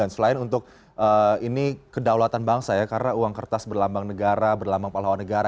selain untuk ini kedaulatan bangsa ya karena uang kertas berlambang negara berlambang pahlawan negara